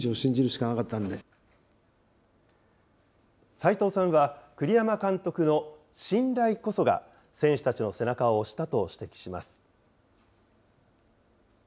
齋藤さんは、栗山監督の信頼こそが選手たちの背中を押したと指摘します。